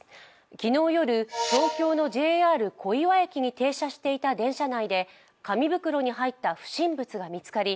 昨日夜、東京のＪＲ小岩駅に停車していた電車内で紙袋に入った不審物が見つかり